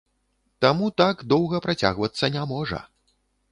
Таму так доўга працягвацца не можа.